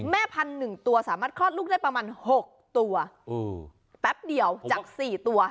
แม่พันธุ์๑ตัวสามารถคลอดลูกได้ประมาณ๖ตัวแป๊บเดียวจาก๔ตัว